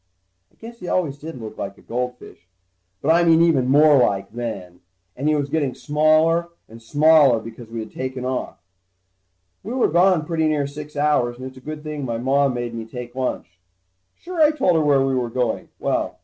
I guess he always did look like a goldfish, but I mean even more like, then. And he was getting smaller and smaller, because we had taken off. We were gone pretty near six hours, and it's a good thing my Mom made me take a lunch. Sure, I told her where we were going. Well